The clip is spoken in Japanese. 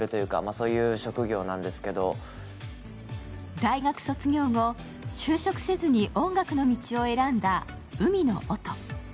大学卒業後、就職せずに音楽の道を選んだ海野音。